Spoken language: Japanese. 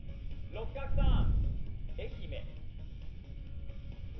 六角さん！？